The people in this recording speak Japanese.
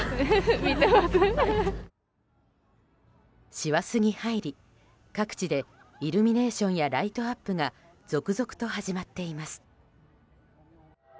師走に入り各地でイルミネーションやライトアップが続々と始まっています。